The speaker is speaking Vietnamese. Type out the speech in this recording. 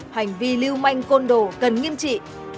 hành vi lưu manh côn đồ cần nghiêm trị